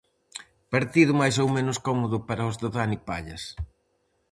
Partido máis ou menos cómodo para os de Dani Pallas.